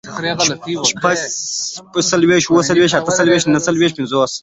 شپږڅلوېښت، اووه څلوېښت، اته څلوېښت، نهه څلوېښت، پينځوس